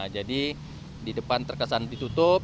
jadi di depan terkesan ditutup